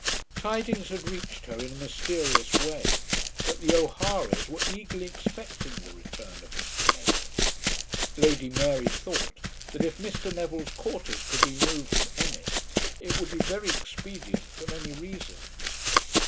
Tidings had reached her in a mysterious way that the O'Haras were eagerly expecting the return of Mr. Neville. Lady Mary thought that if Mr. Neville's quarters could be moved from Ennis, it would be very expedient for many reasons.